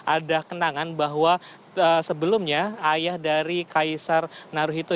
ada kenangan bahwa sebelumnya ayah dari kaisar naruhito